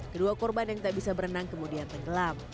kedua korban yang tak bisa berenang kemudian tenggelam